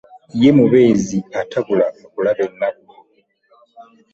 Ye mubeezi atabula mu kulaba ennaku.